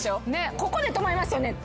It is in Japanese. ここで止まりますよねくっ！